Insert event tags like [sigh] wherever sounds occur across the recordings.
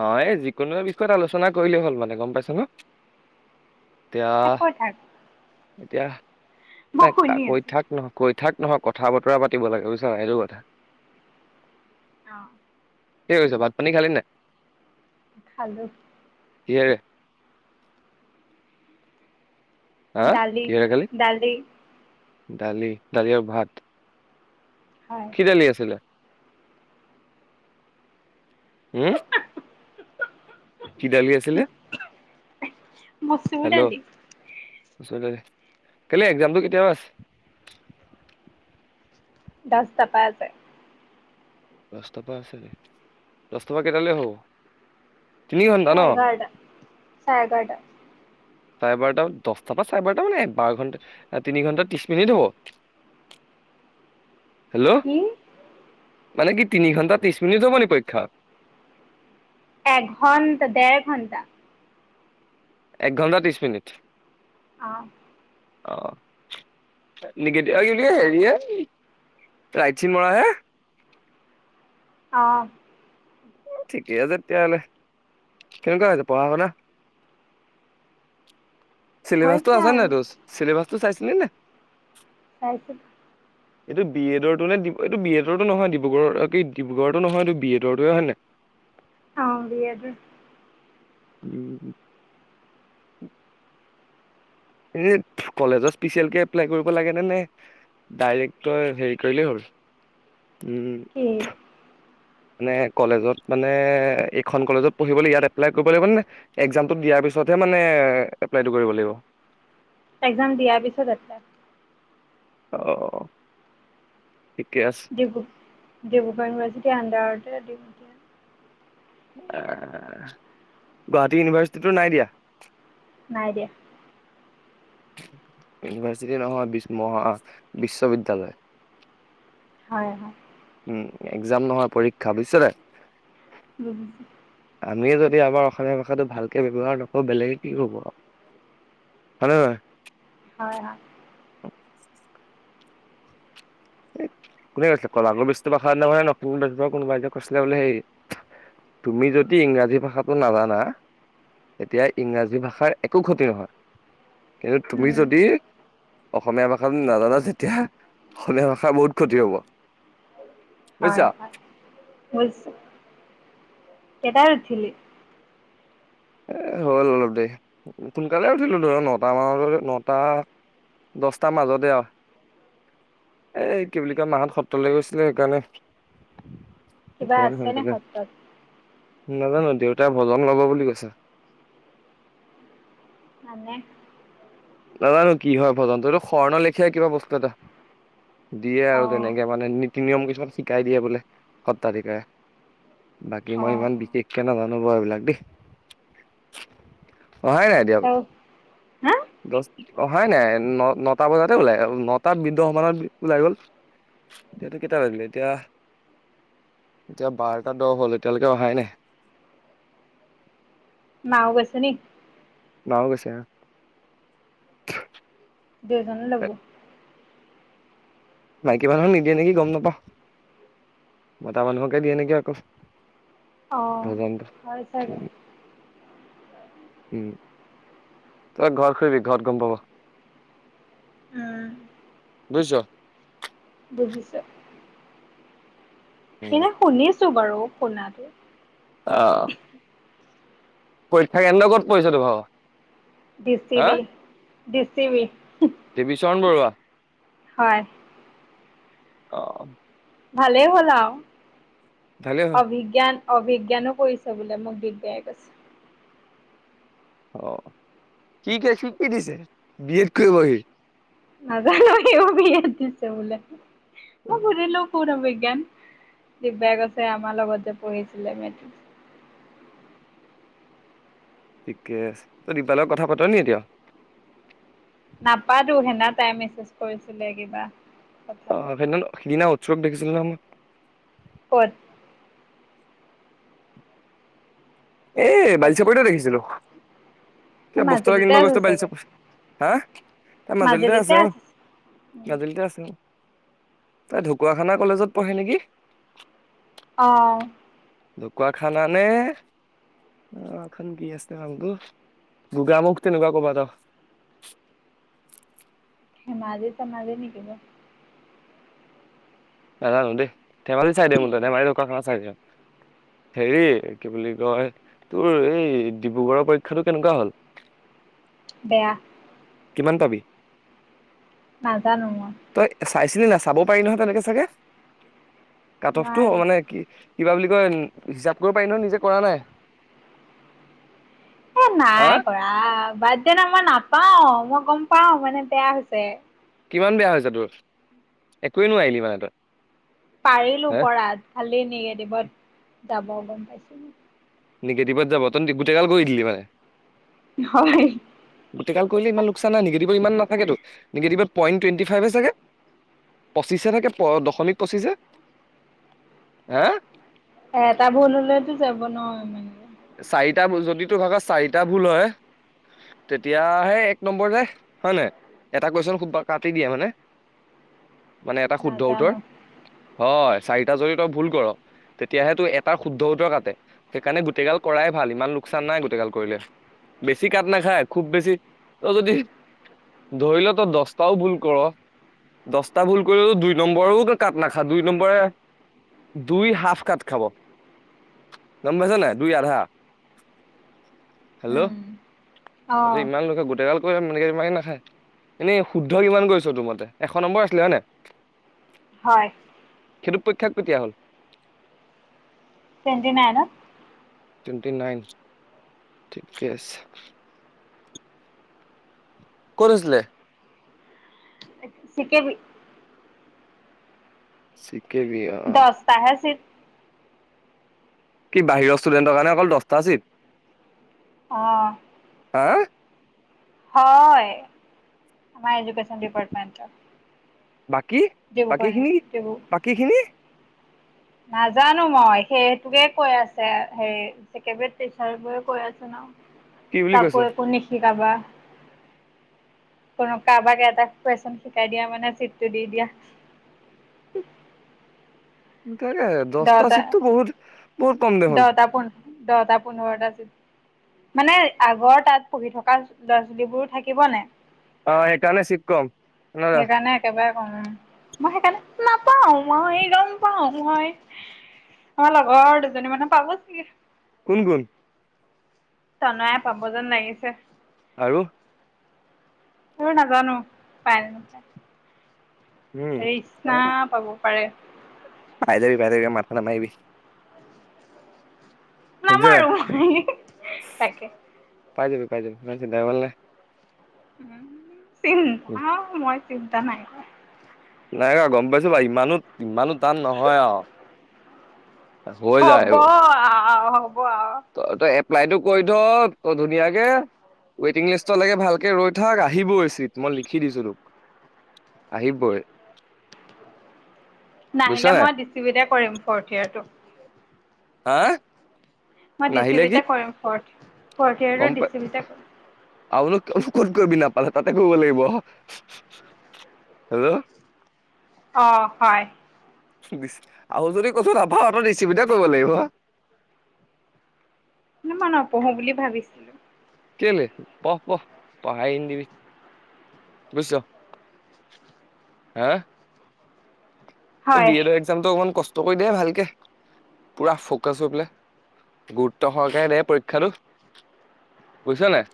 অ এই যিকোনো বিষয়ত আলোচনা কৰিলেই হ'ল মানে গম পাইছ ন। এতিয়া কৈ থাক। এতিয়া মই [unintelligible] শুনি কৈ থাক নহ, কৈ থাক নহয় কথা বতৰা পাতিব লাগে বুইছা নাই? এইটো কথা। অঁ। কি কৰিছ ভাত পানী খালি নে নাই? খালো। কিহেৰে? হা দালি, কিহেৰে খালি? দালি দালি দালি আৰু ভাত। হয়। [unintelligible] দালি আছিলে? হুম? কি দালি আছিলে? মচুৰ দালি। [unintelligible] কাইলে এক্সামটো কেতিয়া পৰা আছে? দছটা পা আছে। দছটা পা আছে নেকি? দছটা পৰা কেইটালে হব? তিনি ঘন্টা ন চাৰে এঘাৰটা চাৰে এঘাৰটা। চাৰে বাৰটা দছটাৰ পৰা চাৰে বাৰটা মানে বাৰ ঘণ্টা তিনি ঘণ্টা ত্ৰিশ মিনিট হব। [inaudible] হেল্ল' কি মানে কি তিনি ঘন্টা ত্ৰিশ মিনিট হব নি পৰীক্ষা? এঘণ্টা দেৰ ঘণ্টা। এক ঘণ্টা ত্ৰিশ মিনিট? অঁ। অ। নিগেট [unintelligible] হেৰি হে ৰাইট চিন মৰা হে। অঁ। ঠিকে আছে তেতিয়াহলে। কেনেকুৱা হৈছে পঢ়া শুনা? চিলেবাচটো হৈছে আছে নে আৰু নাই তোৰ উচ, চিলেবাচটো চাইছিলি নে? চাইছোঁ। এইটো বি এডৰটো নে দি এইটো বি এডৰটো নহয় ডিব্ৰুগড় কি ডিব্ৰুগড়তো নহয় এইটো বি এডৰটো হয় নে নাই? অঁ বি এডৰ। উম। এনে কলেজত স্পেচিয়েল কে এপ্লাই কৰিব লাগেনে নে ডাইৰেক তই হেৰি কৰিলেই হ'ল, উমঁ। কি? মানে কলেজত মানে এইখন কলেজত পঢ়িবলৈ ইয়াত এপ্লাই কৰিব লাগিব নে- এক্জামটো দিয়াৰ পিছতহে মানে এপ্লাইটো কৰিব লাগিব? এক্জাম দিয়াৰ পিছত এপ্লাই। অ', ঠিকে আছে। ডিব্ৰু-ডিব্ৰুগড়ৰ ইউনিভাৰ্চিটি আণ্ডাৰতে। গুৱাহাটী ইউনিভাৰ্চিটিটো নাই দিয়া? নাই দিয়া। ইউনিভাৰ্চিটি নহয়, বিশ মহা বিশ্ববিদ্যালয়। হয়। উমঁ, এক্জাম নহয়, পৰীক্ষা বুজিছ নে। [inaudible] আমি যদি আমাৰ অসমীয়া ভাষাটো ভালকে ব্যৱহাৰ নকৰো বেলেগে কি কৰিব আও। হয় নে নহয়? হয়-হয়। কোনে কৈছিলে, কলাগুৰু বিষ্ণুপ্ৰসাদ নে ন' কোনবাই কয়ছিলে বোলে সেই- তুমি যদি ইংৰাজী ভাষাটো নাজানা এতিয়া ইংৰাজী ভাষাৰ একো ক্ষতি নহয়। কিন্তু তুমি উম, যদি অসমীয়া ভাষা নাজানা যেতিয়া অসমীয়া ভাষা- বহুত ক্ষতি হ'ব। বুজিছা হয়-হয। কেইটাত উঠিলি? এ' হ'ল অলপ দেৰি, সোনকালে উঠিলো ধৰা নটা মান নটা- দহটাৰ মাজতে আৰু। এই কি বুলি কয় মাহঁত সত্ৰলৈ গৈছিলে সেইকাৰণে- কিবা ভালে আছেনে সত্ৰত নাজানো দেউতাই ভজন লব বুলি কৈছে। মানে নাজানো কি হয় ভজন তো, সেইটো শৰ্ণ লেখিয়াই কিবা বস্তু এটা। দিয়ে অ আৰু তেনেকে মানে নীতি-নিয়ম কিছুমান- শিকাই দিয়ে বোলে সত্ৰাধিকাৰে। বাকী অ অ মই ইমান বিশেষ- কে নেজানো বাৰু এইবিলাক দেই, অহাই নাই এতিয়াও। ত হা দচ, অ' অহাই নাই, ন-নটা বজাতে ওলাই নটা বিছ মানত ওলাই গ'ল। এতিয়াতো কেইটা বাজিলে এতিয়া, এতিয়া বাৰটা দ'হ হ'ল এতিয়ালৈকে অহাই নাই মাঁও গৈছে নেকি? মাঁও গৈছে অঁ',। দুইজনকে দিব? মাইকী মানুহক নিদিয়ে নেকি গম নাপাওঁ, মতা মানুহকে দিয়ে নেকি আকৌ। অঁ', হয় চাগে। তই ঘৰত সুধিবি ঘৰত গম পাব। উম বুজিছ। বুজিছো। এনেই শুনিছো বাৰু শুনাটো। অঁহ। পৰীক্ষা কেন্দ্ৰ ক'ত পৰিছে তো ভাগ? হা [unintelligible] দেৱীচৰণ বৰুৱা। হয় অ অ ভালেই হ'ল আৰু ভালেই হ'ল অভিজ্ঞান অভিজ্ঞানো কৰিছে বোলে মোক দিগদায়াই কৈছে অ কি দিছে কি দিছে বি এড কৰিবহি নাজানো হিও বিয়েট দিছে বুলে মই সুধিলোঁ কোন অভিজ্ঞান দিকবাইকোছে আমাৰ লগতে যে পঢ়িছিলে মেট্ৰিক ঠিকে আছে তই দীপাল লগত কথা পাতা নে এতিয়াও নাপাতো সেনা তাই মেছেজ কৰিছিলে কিবা অ কথাত সেইদিনা সিদিনা উৎসৱ দেখিছিলো নহয় মই কত এ বালিচাপৰিতে দেখিছিলো কিবা বস্তু এটা মাজুলীতে কিনিব আছে গৈছিলো চাগে বালিচাপৰি হা তাৰ মাজুলীতে আছে অ গাজুলীতে আছে অ তাই ঢকুৱাখানা কলেজত পঢ়ে নেকি অ ঢুকুৱাখানা নে অ এখন কি আছিলে নামটো গোগামুখ তেনেকুৱা কবাত আও মাজে ত মাজে নেকি নাজানো দেই ধেমালি চাইডে ধেমালী দোকখানা চাই হেৰি কি বুলি কয় তোৰ এই ডিব্ৰুগড়ৰ পৰীক্ষাতটো কেনেকুৱা হ'ল [inaudible] বেয়া। কিমন পাবি? নাজানো মই তই চাইছিলি নাই চাব পাৰি নহয় তেনেকে চাগে? কাট অফটো নোৱাৰি মানে কি কিবা বুলি কয় হিচাপ কৰিব পাৰি ন নিজে কৰা নাই? এ হা নাই কৰা বাট দে না মই নাপাও মই গম পাও মানে বেয়া হৈছে। কিমান বেয়া হৈছে তোৰ একোৱে নোৱাৰিলি মানে তই। পাৰিলো হা পৰাত খালি নিগেটিভত যাব গম পাইছো। নিগেটিভত যাব তই গোটেই কাল কৰি দিলি মানে। হয়। গোটেইগাল কৰিলে ইমান লোকচান নাই নিগেটি ইমানাথাকেতো নিগেটিভত পইনটুৱেনটি ফাইভে চাগে। পঁচিশে থাকে প দশমিক পঁচিছে হ? এ এটা ভুললেতো যাব ন মানে। চাৰিটা ভুল যদি তোৰ ভাগৰ চাৰিটা ভুল হয়। তেতিয়া সে এক নম্বৰ যাই হয় নাই এটা কুৱেশচন খুব কাটি দিয়ে মানে মানে এটা শুদ্ধ উ্তৰ নাজানো হয় চাৰিটা যদি তই ভুল কৰ তেতিয়াহে তো এটাৰ শুদ্ধ উতৰ কাটে সেইকাৰণে গোটেইগাল কৰাই ভাল, ইমান লোকচান নাই গোটেইগাল কৰিলে। বেছি কাট নাখায় খুব বেছি তই যদি ধৰিল তো দছটাও ভুল কৰ। দহটা ভুল কৰিলেও দুই নম্বৰেও কাত নাখা দুই নম্বৰে দুই হাফ কাত খাব গম পাইছ নাই? দুই আধা হেল্ল' উম অ ততি ইমান লোকে গোটেই গাল [unintelligible] নাখে এনেই শুদ্ধ কিমান কৰিছ তোৰ মতে এশ নম্বৰ আছিলে হয় ন? হয়। সেইটো পৰীক্ষা কেতিয়া হ'ল? টুৱেন্টি নাইনত। টুৱেণ্টি নাইন, ঠিকে আছে। ক'ত হৈছিলে? P K B. C K B, অ', অহ'। তাইহে আছিল। কি বাহিৰৰ ষ্টুডেণ্টৰ কাৰণে অকল দহটা চিত। অহ'। হা? হয়। আমাৰ এডুকেচন ডিপাৰ্টমেন্টত। বাকী, বাকী খিনি, ডিব্ৰু বাকী খিনি? নাজানো মই সেইটোকে কৈ আছে, হেৰি পি কে বি টিচাৰ বোৰেও কৈ আছো ন? কি বুলি কাকো কৈছে একো নিশিকাবা। [inaudible] কোনো কাৰোবাক এটা কুৱেশন শিকাই দিয়া মানে, চিটটো দি দিয়া। তাকে দহটা চিটটো বহুত, বহুত কম দেখোন। দহটা পোন্ধ দহটা পোন্ধৰতা মানে আগৰ তাত পঢ়ি থকা ল'ৰা-ছোৱালীবোৰো থাকিব নে? অ' এইকাৰণে চিত কম। ন সেইকাৰণে একেবাৰে কম, মই সেইকাৰণে নাপাওঁ মই গম পাওঁ মই আমাৰ লগৰৰ দুজনী মানে পাব চাগে। কোন কোন? ত্ৰনয়াই পাব যেন লাগিছে। আৰু? মই নাজানো, পাই উম এ হেৰিশ্ণাই পাব পাৰে। পাই যাবি, পাই যাবি মাথা নামাৰিবি। শুনিছ নাই নামাৰো, উহুহো তাকে। পাই যাবি, পাই যাবি ইমান চিন্তা কৰিব নালাগে। উম, চিন্তা, মই চিন্তা নাই কৰা। নাই কৰা গম পাইছোঁ বাৰু, ইমানো ইমানো টান নহয় আৰু। হৈ হ'ব আৰু, হ'ব আৰু। ত-তই এপ্লাইটো কৰি থ', ধুনীয়াকে ৱেটিং লিষ্টলৈকে ভালকে ৰৈ থাক, আহিবই চিত মই লিখি দিছোঁ তোক। আহিবই। বুজিছ নাহিলে নাই মই ডি চি বিতে কৰিম, ফৰ্থ ইয়েৰটো। হা? মই ডি চি নাহিলে কি বিটে কৰিম ফৰ্থ, ফৰ্থ গম ইয়াৰ্টো ডি পাই চি বিতে আৰুনো ক-ক'ত কৰিবি নাপালে তাতে কৰিব লাগিব, উহুহু হেল্ল'! অ', হয়। ডিচ আৰু যদি ক'তো নাপাওঁ, তই ডি চি বিতে কৰিব লাগিব। না মই নপঢ়ো বুলি ভাবিছিল। কেলে পঢ়, পঢ়। পঢ়া এৰি নিদিবি, বুজিছ। হা? বি হয় এ টু একজামটো অকণমান কষ্ট কৰি দিয়ে ভালকে। পুৰা ফকাচ হৈ পেলে, গুৰুত্ব সহকাৰে দে পৰীক্ষাটো। বুজিছ' নাই?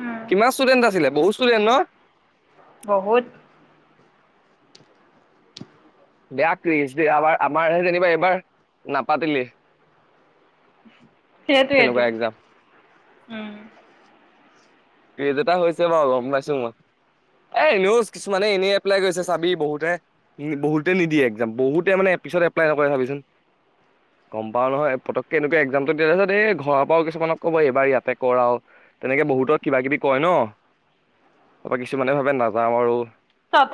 উম, কিমান ষ্টুডেন্ট আছিলে বহুত ষ্টুডেন্ট ন'? বহুত। বেয়া ক্ৰেচ দে আমাৰ আমাৰ সে যেনিবা এবাৰ নাপাতিলে। তেনেকুৱা সেইটোৱে এক্সাম উম। ক্ৰেজ এটা হৈছে বাৰু গম পাইছোঁ মই। এ, এনেও কিছুমানে এনেই এপ্লাই কৰিছে চাবি বহুতে। উম, বহুতে নিদিয়ে একজাম বহুতে মানে পিছত এপ্লাই নকৰে চাবিচোন। গম পাওঁ নহয় পটককে এনেকুৱা একজামটো দিয়া পিছত এই ঘৰৰ পৰাও কিছুমানক ক'ব এইবাৰ ইয়াতে কৰ আৰু। তেনেকে বহুতক কিবা কিবি কয় ন'। কিছুমানে ভাবে নাযাওঁ আৰু।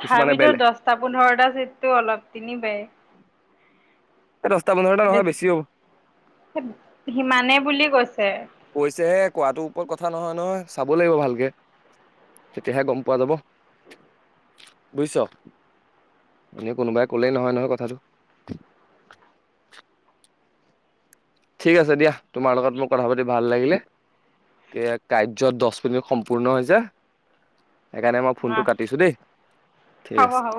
কিছুমানে বেলেগ দচটা পোন্ধৰটা চিতটো অলপ তিনিবে। এই দচটা পোন্ধৰটা নহয় বেছি হ'ব। সিমানে বুলি কৈছে। কৈছেহে কোৱাটোৰ ওপৰত কথা নহয়, নহয় চাব লাগিব ভালকে। তেতিয়াহে গম পোৱা যাব। বুজিছ'। এনেই কোনোবাই কলেই নহয় নহয় কথাটো। ঠিক আছে দিয়া, তোমাৰ লগত মোৰ কথা পাতি ভাল লাগিলে। এ, কাৰ্যত দচ মিনিট সম্পূৰ্ণ হৈছে। সেইকাৰণে মই ফোনটো আহ কাতিছো দেই। ঠিক হ'ব আছে হ'ব।